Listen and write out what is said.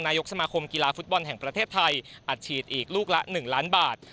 นายกสมาคมกีฬาฟุตบอลแห่งประเทศไทยอัดฉีดอีกลูกละ๑ล้านบาท